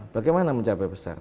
bagaimana mencapai besar